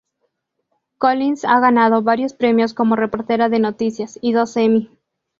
Collins ha ganado varios premios como reportera de noticias, y dos Emmy.